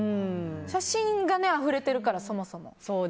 写真があふれてるからそもそも。